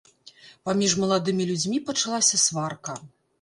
Паміж маладымі людзьмі пачалася сварка.